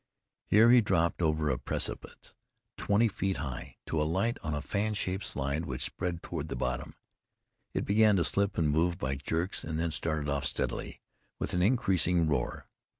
Here he dropped over a precipice twenty feet high, to alight on a fan shaped slide which spread toward the bottom. It began to slip and move by jerks, and then started off steadily, with an increasing roar.